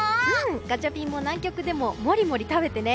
ガチャピンも南極でももりもり食べてね。